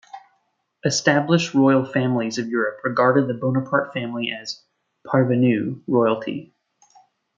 Established royal families of Europe regarded the Bonaparte family as "parvenu" royalty.